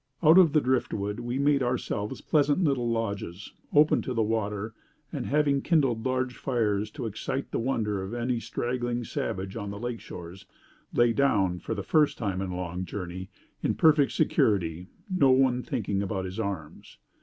"'Out of the driftwood, we made ourselves pleasant little lodges, open to the water, and, after having kindled large fires to excite the wonder of any straggling savage on the lake shores, lay down, for the first time in a long journey, in perfect security; no one thinking about his arms.